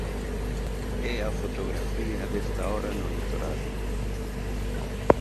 É a fotografía desta hora no litoral.